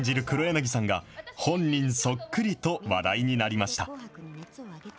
黒柳さんが、本人そっくりと話題になりました。